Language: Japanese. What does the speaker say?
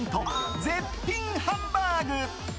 絶品ハンバーグ。